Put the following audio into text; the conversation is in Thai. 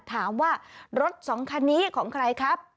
ถามว่ารถสองคันนี้ของใครครับ